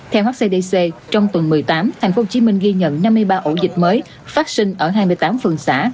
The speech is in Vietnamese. theo hcdc trong tuần một mươi tám tp hcm ghi nhận năm mươi ba ổ dịch mới phát sinh ở hai mươi tám phường xã